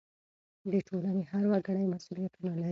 د ټولنې هر وګړی مسؤلیتونه لري.